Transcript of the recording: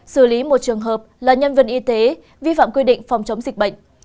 xử lý một trường hợp là nhân viên y tế vi phạm quy định phòng chống dịch bệnh